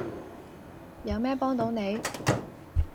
有咩幫到你?